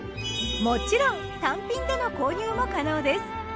もちろん単品での購入も可能です。